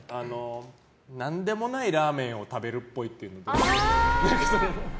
何でもないラーメンを食べるっぽいというので。